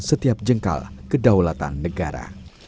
setiap jengkal kedaulatan negara